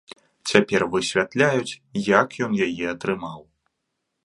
Цяпер высвятляюць, як ён яе атрымаў.